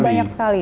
oh banyak sekali